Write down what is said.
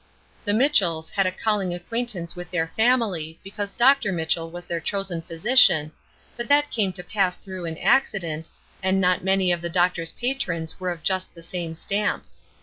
The Mitchells had a calling acquaintance with their family because Dr. Mitchell was their chosen physician, but that came to pass through an accident, and not many of the doctor's patrons were of just the same stamp.